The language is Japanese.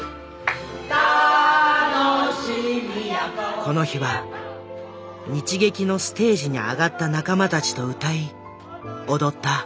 この日は日劇のステージに上がった仲間たちと歌い踊った。